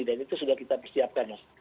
dan itu sudah kita persiapkan